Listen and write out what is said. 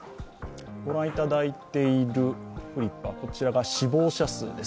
御覧いただいているフリップ、死亡者数です。